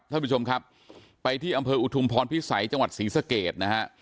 ท่านผู้ชมครับไปที่อำเภออุทุมพรพิสัยจังหวัดศรีสะเกดนะฮะ